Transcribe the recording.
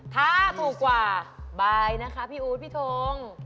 ถ้าถูกกว่าบายนะคะพี่อู๊ดพี่ทง